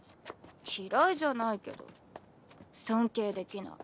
嫌いじゃないけど尊敬できない。